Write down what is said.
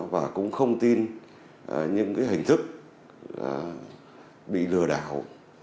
và cũng không tin những hình thức bị lừa đảo